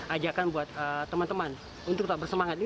ajakan buat teman teman untuk tetap bersemangat